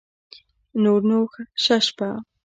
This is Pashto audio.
نور نو شه شپه